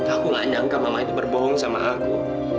aku gak nyangka mama itu berbohong sama aku